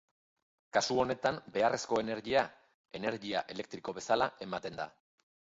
Kasu honetan beharrezko energia, energia elektriko bezala ematen da.